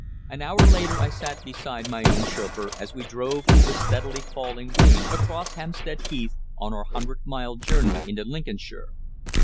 An hour later I sat beside my own chauffeur, as we drove through the steadily falling rain across Hampstead Heath, on our hundred mile journey into Lincolnshire.